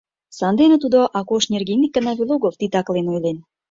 Сандене тудо Акош нерген ик гана веле огыл титаклен ойлен.